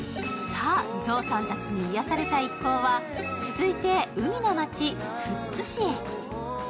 さあ、象さんたちに癒やされた一行は、続いて海の街・富津市へ。